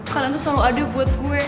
kalian tuh selalu ada buat gue